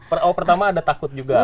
oh pertama ada takut juga